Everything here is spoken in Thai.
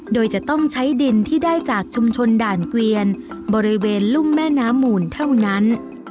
โดยจะต้องใช้ดินที่ได้จากชุมชนด่านเกวียนบริเวณลุ่มแม่น้ำหมูลเท่านั้น